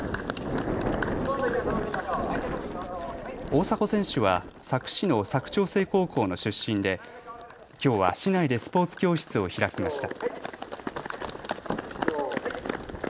大迫選手は佐久市の佐久長聖高校の出身できょうは市内でスポーツ教室を開きました。